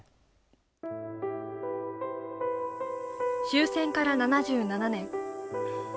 終戦から７７年。